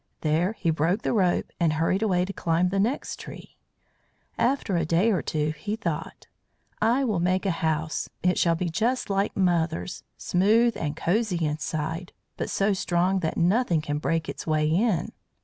There he broke the rope and hurried away to climb the next tree. After a day or two he thought: "I will make a house. It shall be just like mother's, smooth and cosy inside, but so strong that nothing can break its way in."